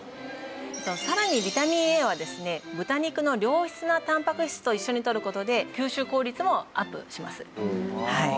さらにビタミンＡはですね豚肉の良質なたんぱく質と一緒にとる事で吸収効率もアップします。